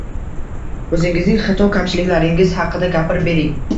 O‘zingizning xato-kamchiliklaringiz haqida gapirib bering.